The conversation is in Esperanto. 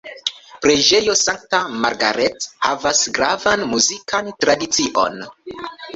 Preĝejo Sankta Margaret havas gravan muzikan tradicion.